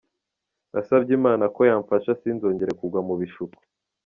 Nasabye Imana ko yamfasha sinzongere kugwa mu bishuko.